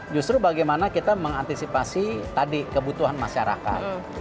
justru bagaimana kita mengantisipasi tadi kebutuhan masyarakat